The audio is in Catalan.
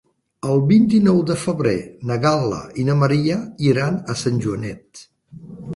El vint-i-nou de febrer na Gal·la i na Maria iran a Sant Joanet.